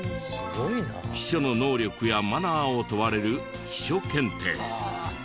秘書の能力やマナーを問われる秘書検定。